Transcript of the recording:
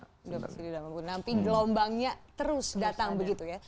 sudah pasti tidak mampu nanti gelombangnya terus datang begitu ya